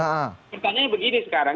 pertanyaannya begini sekarang